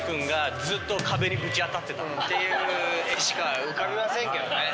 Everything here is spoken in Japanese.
ていう絵しか浮かびませんけどね。